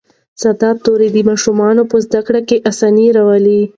ساده توري د ماشومانو په زده کړه کې اسانتیا راولي